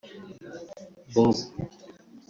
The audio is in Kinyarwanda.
Bob